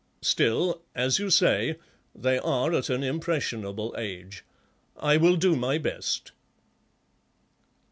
Still, as you say, they are at an impressionable age. I will do my best."